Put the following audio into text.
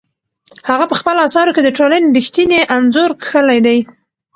هغه په خپلو اثارو کې د ټولنې رښتینی انځور کښلی دی.